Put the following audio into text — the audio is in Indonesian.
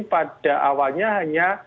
pada awalnya hanya